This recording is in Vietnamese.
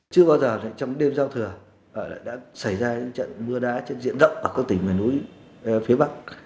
chưa bao giờ trong đêm giao thừa đã xảy ra những trận mưa đá trên diện động ở các tỉnh miền núi phía bắc